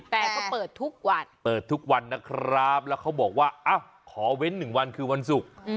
แต่เปิดทุกวันนะครับแล้วเขาบอกว่าอ่ะขอเว้นหนึ่งวันคือวันศุกร์